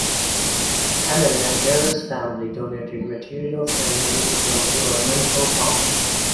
Helen Lempriere's family donated materials and money to build the ornamental pond.